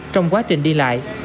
trong quá trình đi lại